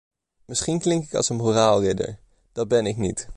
Misschien klink ik als een moraalridder; dat ben ik niet.